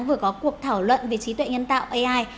vừa có cuộc thảo luận về trí tuệ nhân tạo ai